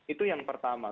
itu yang pertama